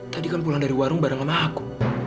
tadi kan pulang dari warung bareng sama aku